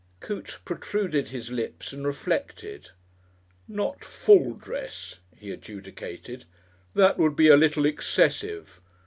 Coote protruded his lips and reflected. "Not full dress," he adjudicated; "that would be a little excessive.